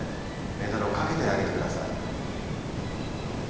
メダルを掛けてあげてください。